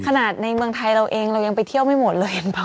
ในเมืองไทยเราเองเรายังไปเที่ยวไม่หมดเลยเห็นป่